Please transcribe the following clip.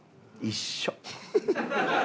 一緒。